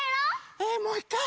えもういっかい？